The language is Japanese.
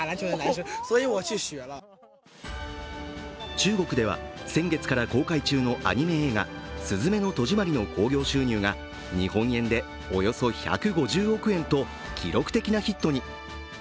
中国では先月から公開中のアニメ映画、「すずめの戸締まり」の興行収入が日本円でおよそ１５０億円と記録的なヒットに。